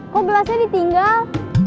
kok belasnya ditinggal